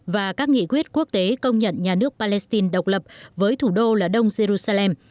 và các nghị quyết quốc tế công nhận nhà nước palestine độc lập với thủ đô là đông jerusalem